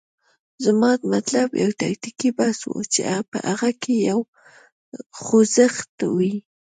زما مطلب یو تکتیکي بحث و، چې په هغه کې یو خوځښت وي.